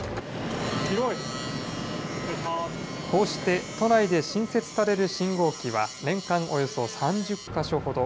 こうして都内で新設される信号機は、年間およそ３０か所ほど。